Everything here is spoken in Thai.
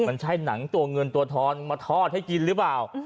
มันใช่หนังตัวเงินตัวทอนมาทอดให้กินหรือเปล่า